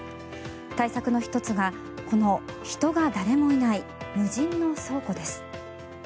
対策の１つがこの、人が誰もいない無人の倉庫です。